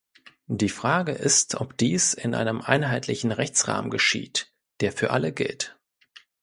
Die Frage ist, ob dies in einem einheitlichen Rechtsrahmen geschieht, der für alle gilt.